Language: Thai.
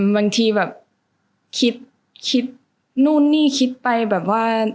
บางทีแบบคิดคิดนู่นนี่คิดไปแบบว่า